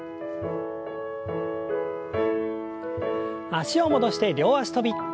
脚を戻して両脚跳び。